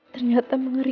ternyata mengalami saya